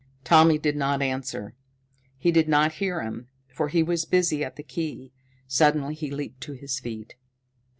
Tommy did not answer; he did not hear him, for he was busy at the key. Suddenly he leaped to his feet.